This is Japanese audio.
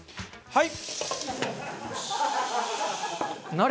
はい。